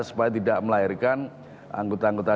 supaya tidak melahirkan anggota anggota